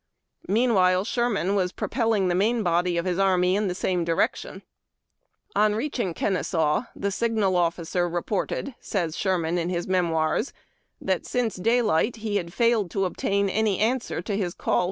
Meanwhile, Sherman was propelling the main body of his army in the same direction. On reacliing Kenesaw, " the signal officer reported," says Sherman, in his Jlemoirs, "that since daylight he had failed to obtain any answer to his call TALEIXG FLAGS AXD TORCHES.